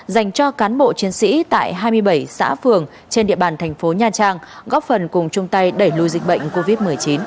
dành cho cán bộ chiến sĩ tại hai mươi bảy xã phường trên địa bàn thành phố nha trang góp phần cùng chung tay đẩy lùi dịch bệnh covid một mươi chín